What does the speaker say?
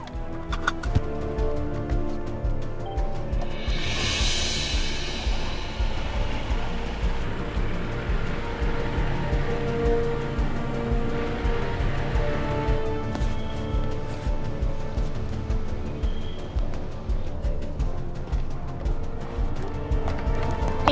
nanti gue beli dulu